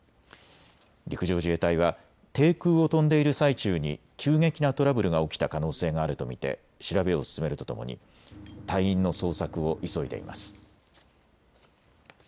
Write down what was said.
陸上自衛隊は低空を飛んでいる最中に急激なトラブルが起きた可能性があると見て調べを進めるとともに隊員の捜索を急いでいます。